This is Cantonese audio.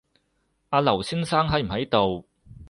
阿劉先生喺唔喺度